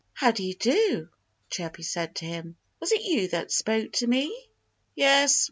"How do you do!" Chirpy said to him. "Was it you that spoke to me?" "Yes!"